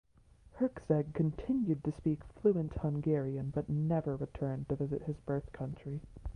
Herczeg continued to speak fluent Hungarian but never returned to visit his birth country.